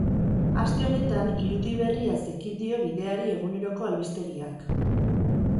Aste honetan irudi berriaz ekin dio bideari eguneroko albistegiak.